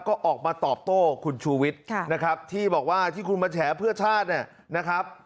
ก็ออกมาตอบโต้คุณชูวิทย์นะครับที่บอกว่าที่คุณมาแฉเพื่อชาติเนี่ยนะครับ